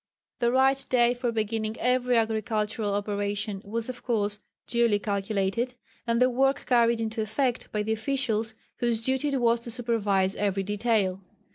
The right day for beginning every agricultural operation was of course duly calculated, and the work carried into effect by the officials whose duty it was to supervise every detail.